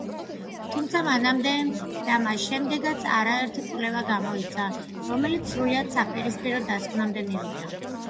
თუმცა, მანამდე და მას შემდეგაც არაერთი კვლევა გამოიცა, რომელიც სრულიად საპირისპირო დასკვნამდე მივიდა.